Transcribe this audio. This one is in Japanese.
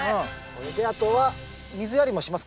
これであとは水やりもしますか？